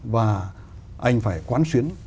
và anh phải quán xuyến